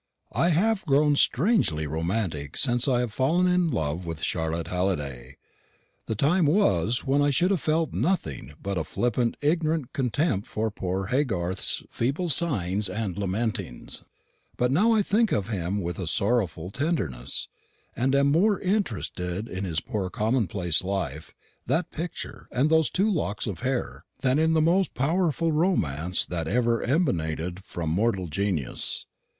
I have grown strangely romantic since I have fallen in love with Charlotte Halliday. The time was when I should have felt nothing but a flippant ignorant contempt for poor Haygarth's feeble sighings and lamentings; but now I think of him with a sorrowful tenderness, and am more interested in his poor commonplace life, that picture, and those two locks of hair, than in the most powerful romance that ever emanated from mortal genius.